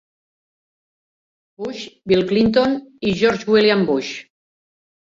Bush, Bill Clinton i George W. Bush.